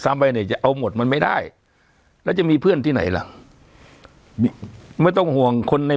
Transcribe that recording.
ไปเนี่ยจะเอาหมดมันไม่ได้แล้วจะมีเพื่อนที่ไหนล่ะไม่ต้องห่วงคนใน